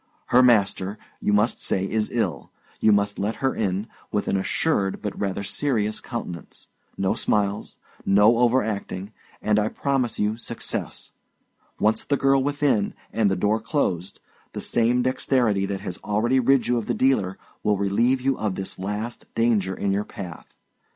Her master, you must say, is ill; you must let her in, with an assured but rather serious countenance; no smiles, no overacting, and I promise you success! Once the girl within, and the door closed, the same dexterity that has already rid you of the dealer will relieve you of this last danger in your path.